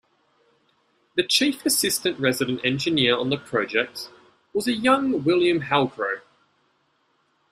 The chief assistant resident engineer on the project was a young William Halcrow.